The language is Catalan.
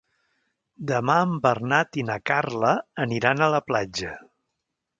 Demà en Bernat i na Carla aniran a la platja.